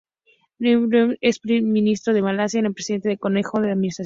Najib Razak, ex primer ministro de Malasia, es el Presidente del consejo de administración.